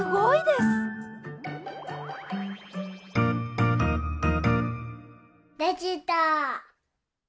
できた！